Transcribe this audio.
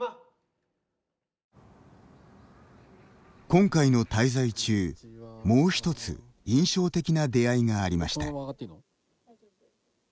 今回の滞在中、もう一つ印象的な出会いがありました。